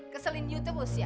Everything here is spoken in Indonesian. keselin kamu terus ya